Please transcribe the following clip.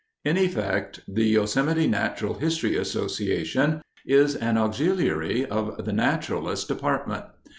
In effect, the Yosemite Natural History Association is an auxiliary of the naturalist department.